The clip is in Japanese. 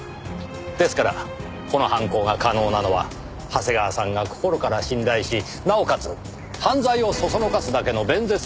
ですからこの犯行が可能なのは長谷川さんが心から信頼しなおかつ犯罪をそそのかすだけの弁舌を持つ人物に限られます。